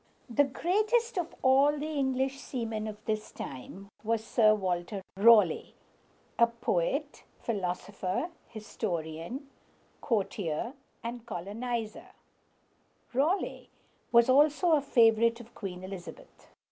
The greatest of all the English seamen of this time was Sir Walter Raleigh (raw´ly). A poet, philosopher, historian, courtier, and colonizer, Raleigh was also a favorite of Queen Elizabeth.